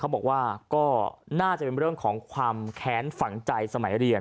บอกว่าก็น่าจะเป็นเรื่องของความแค้นฝังใจสมัยเรียน